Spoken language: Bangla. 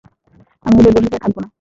আমি ওদের বন্দী হয়ে থাকবো না।